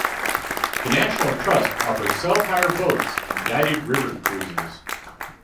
The National Trust offers self-hire boats and guided river cruises.